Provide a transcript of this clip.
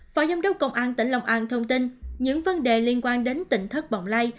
phó giám đốc công an tỉnh lòng an thông tin những vấn đề liên quan đến tỉnh thất bọng lây